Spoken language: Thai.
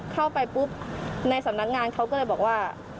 เข้าไปปุ๊บในสำนักงานเขาก็เลยบอกว่า